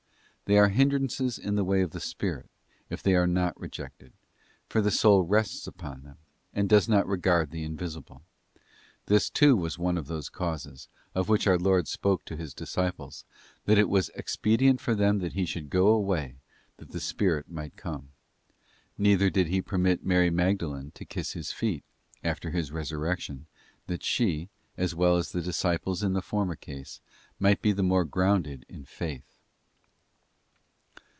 They are hindrances in the way of the spirit, if they are not rejected; for the soul rests upon them, and does not regard the invisible. This, too, was one of those causes, of which our Lord spoke to His disciples, that it was ex pedient for them that He should go away that the Spirit might come. Neither did He permit Mary Magdalene to 'kiss His feet, after His resurrection, that she, as well as the disciples in the former case, might be the more grounded in faith.